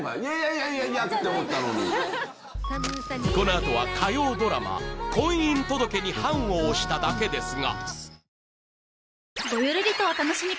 このあとは火曜ドラマ「婚姻届に判を捺しただけですが」